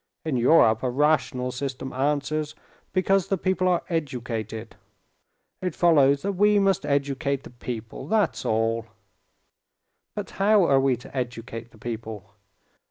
In Europe, a rational system answers because the people are educated; it follows that we must educate the people—that's all." "But how are we to educate the people?"